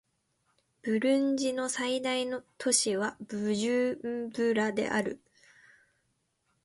ブルンジの最大都市はブジュンブラである